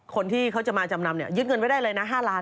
คนที่เขาจะมาจำนำเนี่ยยึดเงินไว้ได้เลยนะ๕ล้าน